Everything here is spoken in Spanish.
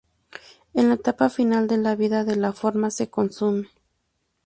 En la etapa final de la "vida" de la forma se consume.